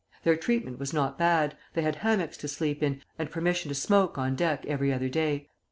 Their treatment was not bad; they had hammocks to sleep in, and permission to smoke on deck every other day.